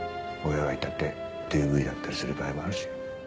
親がいたってＤＶだったりする場合もあるし。